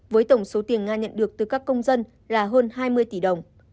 với tổng số tiền nga nhận được từ các công dân là hơn hai mươi tỷ đồng